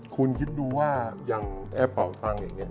คุณคิดดูว่าอย่างแอร์เป่าตังค์อย่างนี้